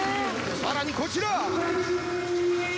さらにこちら！